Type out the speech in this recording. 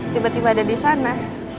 tiba tiba ada disana